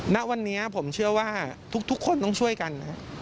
ณวันนี้ผมเชื่อว่าทุกคนต้องช่วยกัน